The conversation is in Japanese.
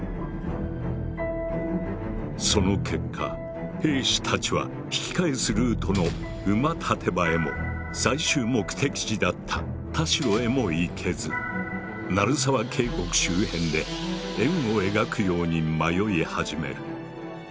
その結果兵士たちは引き返すルートの馬立場へも最終目的地だった田代へも行けず鳴沢渓谷周辺で円を描くように迷い始める。